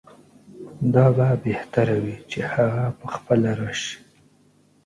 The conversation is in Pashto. دا به بهتره وي چې هغه پخپله راشي.